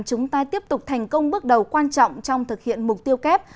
chúng ta tiếp tục thành công bước đầu quan trọng trong thực hiện mục tiêu kép